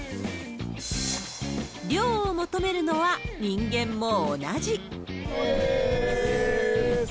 涼を求めるのは人間も同じ。